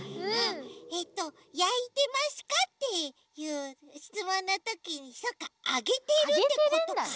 えっと「やいてますか？」っていうしつもんのときにそっかあげてるってことかい？